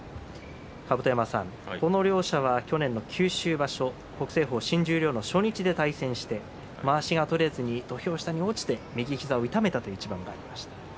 この両者は去年、九州場所北青鵬、新十両の初日で対戦してまわしが取れずに土俵下に落ちて右膝を痛めた一番がありました。